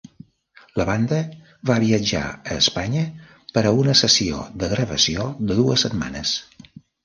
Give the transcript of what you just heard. La banda va viatjar a Espanya per a una sessió de gravació de dues setmanes.